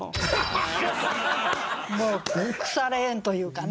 もう腐れ縁というかね。